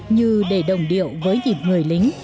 như để đồng điệu với nhịp người lính